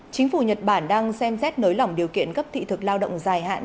chính phủ nhật bản đang xem xét nới lỏng điều kiện cấp thị thực lao động dài hạn